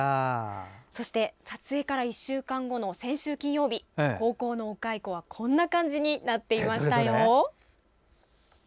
そして、撮影から１週間後の先週金曜日高校のお蚕はこんな感じになっていましたよ。